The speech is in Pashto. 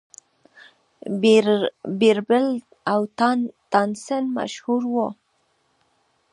بیربل او تانسن مشهور وو.